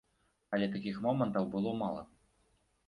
Але такіх момантаў было мала.